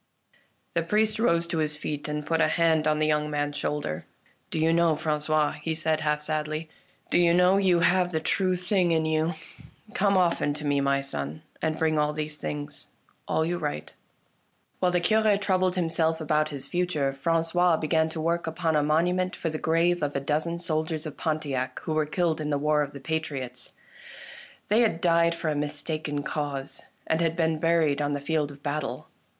The priest rose to his feet and put a hand on the young man's shoulder. " Do you know, Frangois," he said, half sadly, " do you know, you have the true thing in you. Come often I40 THE LANE THAT HAD NO TURNING to me, my son, and bring all these things — all you write." While the Cure troubled himself about his future, Francois began to work upon a monument for the grave of a dozen soldiers of Pontiac who were killed in the War of the Patriots. They had died for a mistaken cause, and had been buried on the field of battle.